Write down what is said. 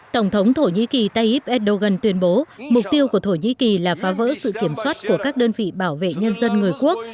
tổng thống thổ nhĩ kỳ tayyip erdogan tuyên bố mục tiêu của thổ nhĩ kỳ là phá vỡ sự kiểm soát của các đơn vị bảo vệ nhân dân người quốc